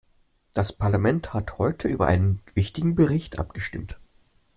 Das Parlament hat heute über einen wichtigen Bericht abgestimmt.